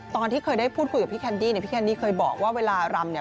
ตอนที่เคยได้พูดคุยกับพี่แคนดี้เนี่ยพี่แคนดี้เคยบอกว่าเวลารำเนี่ย